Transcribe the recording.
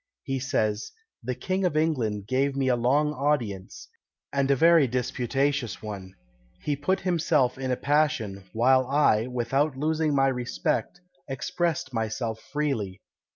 He says, "The King of England gave me a long audience, and a very disputatious one. He put himself in a passion, while I, without losing my respect, expressed myself freely.